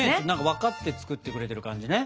分かって作ってくれてる感じね。